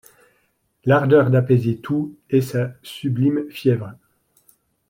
L’ardeur d’apaiser tout est sa sublime fièvre ;